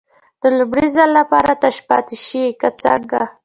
د لومړي ځل لپاره تش پاتې شي که څنګه.